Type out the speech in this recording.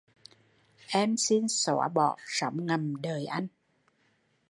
Em xin xoá bỏ sóng ngầm đời anh